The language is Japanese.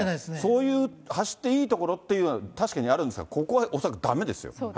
そういう、走っていい所っていうのは確かにあるんですが、ここは恐らくだめですよ。